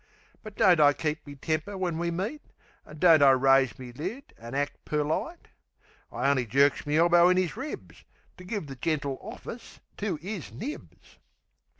But don't I keep me temper when we met? An' don't I raise me lid an' act perlite? I only jerks me elbow in 'is ribs, To give the gentle office to 'is nibs.